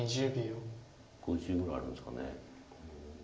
５０ぐらいあるんですか。